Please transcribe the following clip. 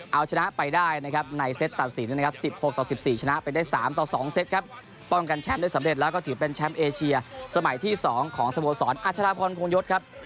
เอาชนะไปได้ในเซตตัดสิน๑๐๑๔ชนะไปได้๓๒เซตครับป้องกันแชมป์ได้สำเร็จแล้วก็ถือเป็นแชมป์เอเชียสมัยที่๒ของสโภษรอาชาราภรณ์ภงยศครับ